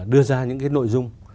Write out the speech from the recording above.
đưa ra những cái nội dung